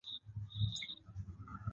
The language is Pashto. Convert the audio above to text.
سرګردانیو سره باید حاجیان عادي شي.